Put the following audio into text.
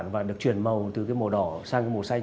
và được chuyển màu từ cái màu đỏ sang cái màu xanh